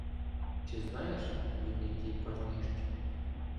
Чи знаєш, він який парнище?